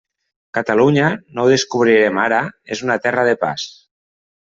Catalunya, no ho descobrirem ara, és una terra de pas.